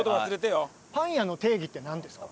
パン屋の定義ってなんですか？